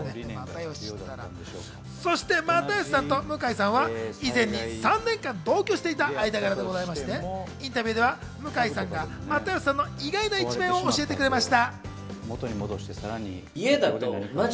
そして又吉さんと向井さんは以前に３年間同居していた間柄でございまして、インタビューでは向井さんが又吉さんの意外な一面を教えてくれました。